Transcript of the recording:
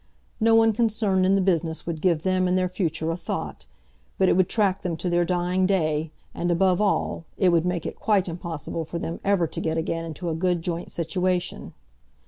No one concerned in the business would give them and their future a thought, but it would track them to their dying day, and, above all, it would make it quite impossible for them ever to get again into a good joint situation.